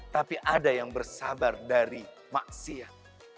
tapi ada yang bersabar dari maksiat